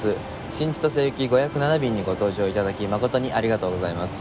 新千歳行き５０７便にご搭乗頂き誠にありがとうございます。